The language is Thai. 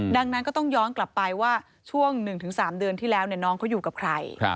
ดังนั้นก็ต้องย้อนกลับไปว่าช่วง๑๓เดือนที่แล้วน้องเขาอยู่กับใคร